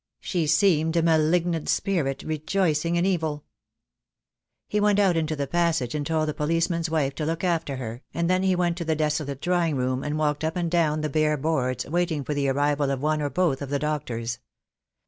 She seemed a malignant spirit, rejoicing in evil. He went out into the passage and told the police THE DAY WILL COME. 257 man's wife to look after her, and then he went to the desolate drawing room and walked up and down the bare boards waiting for the arrival of one or both of the doctors.